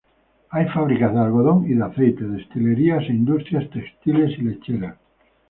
Hay fábricas de algodón y de aceite, destilerías e industrias textiles y lecheras.